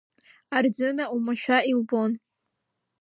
Арӡына уамашәа илбон.